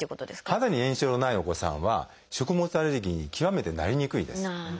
肌に炎症のないお子さんは食物アレルギーに極めてなりにくいです。